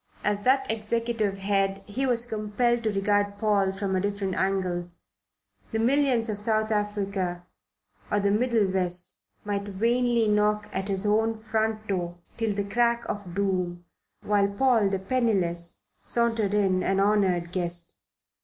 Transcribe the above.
As that executive head he was compelled to regard Paul from a different angle. The millions of South Africa or the Middle West might vainly knock at his own front door till the crack of doom, while Paul the penniless sauntered in an honoured guest.